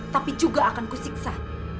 tapi juga akan kusiksa